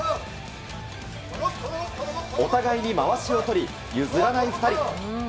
お互いにまわしを取り譲らない２人。